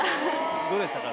どうでしたか？